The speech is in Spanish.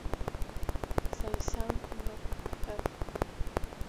Saisang-nor Pfl.